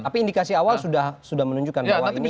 tapi indikasi awal sudah menunjukkan bahwa ini terlibat begitu